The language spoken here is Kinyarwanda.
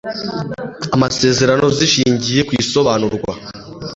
amasezerano zishingiye ku isobanurwa